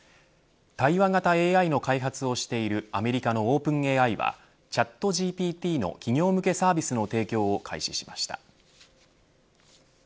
対話型ＡＩの開発をしているアメリカのオープンＡＩはチャットＧＰＴの企業向けサービスの提供を開始しました。